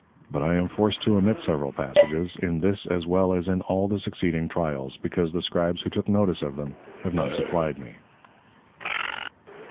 But I am forced to omit several passages, in this as well as in all the succeeding Tryals, because the Scribes who took notice of them, have not supplyed me.